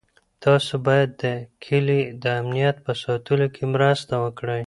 تاسو باید د کلي د امنیت په ساتنه کې مرسته وکړئ.